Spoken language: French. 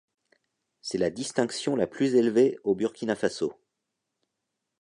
C’est la distinction la plus élevée au Burkina Faso.